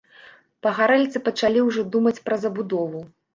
Пагарэльцы пачалі ўжо думаць пра забудову.